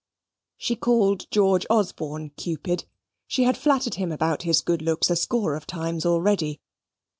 She called George Osborne, Cupid. She had flattered him about his good looks a score of times already.